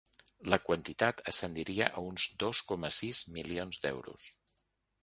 La quantitat ascendiria a uns dos coma sis milions d’euros.